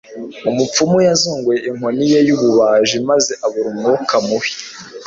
umupfumu yazunguye inkoni ye y'ubumaji maze abura umwuka mubi